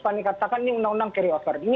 fani katakan ini undang undang carryover